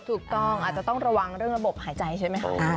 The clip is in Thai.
ถูกต้องอาจจะต้องระวังเรื่องระบบหายใจใช่ไหมคะ